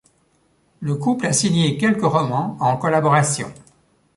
Le couple a signé quelques romans en collaboration.